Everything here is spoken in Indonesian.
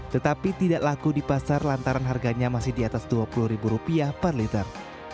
tetapi tidak laku di pasar lantaran harganya masih di atas rp dua puluh per liter